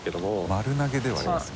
丸投げではありますよね。